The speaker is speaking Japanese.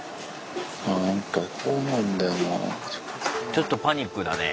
ちょっとパニックだね。